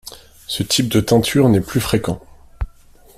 Ce type de teinture n'est plus fréquent.